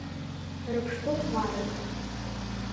Рыԥштәы хәмаруеит.